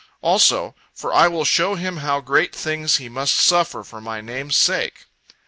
Also, "For I will show him how great things he must suffer for my name's sake."